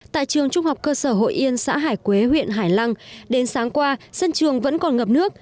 tại trường trung học cơ sở hội yên xã hải quế huyện hải lăng đến sáng qua sân trường vẫn còn ngập nước